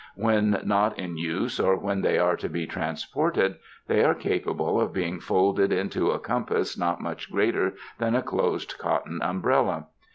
When not in use or when they are to be transported, they are capable of being folded into a compass not much greater than a closed cot ton umbrella.